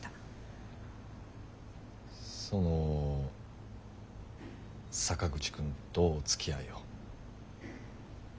その坂口くんとおつきあいを？